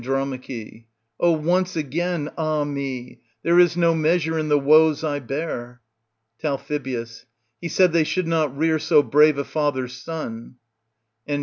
Oh once again ah me ! there is no measure in the woes I bear. Tal. He said they should not rear so brave a father's son. And.